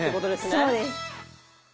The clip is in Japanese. そうです。